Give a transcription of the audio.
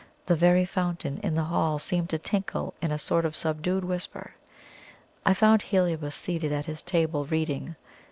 The very fountain in the hall seemed to tinkle in a sort of subdued whisper. I found Heliobas seated at his table, reading.